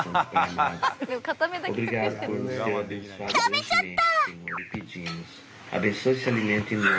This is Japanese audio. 食べちゃった。